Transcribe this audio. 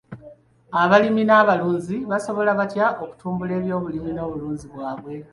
Abalimi n'abalunzi basobola batya okutumbula ebyobulimi n'obulunzi bwabwe?